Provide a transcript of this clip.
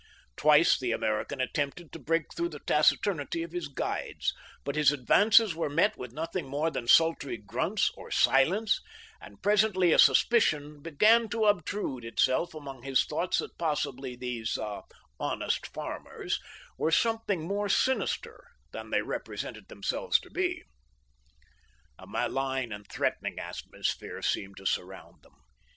Twice the American attempted to break through the taciturnity of his guides, but his advances were met with nothing more than sultry grunts or silence, and presently a suspicion began to obtrude itself among his thoughts that possibly these "honest farmers" were something more sinister than they represented themselves to be. A malign and threatening atmosphere seemed to surround them.